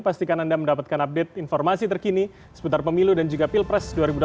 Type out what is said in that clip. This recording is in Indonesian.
pastikan anda mendapatkan update informasi terkini seputar pemilu dan juga pilpres dua ribu dua puluh